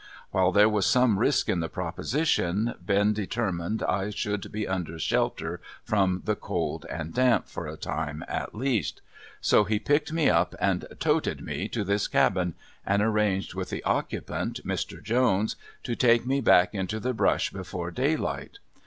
While there was some risk in the proposition, Ben determined I should be under shelter from the cold and damp, for a time, at least; so he picked me up and "toted" me to this cabin, and arranged with the occupant, Mr. Jones, to take me back into the brush before daylight.